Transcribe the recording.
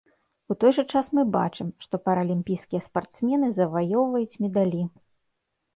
У той жа час мы бачым, што паралімпійскія спартсмены заваёўваюць медалі.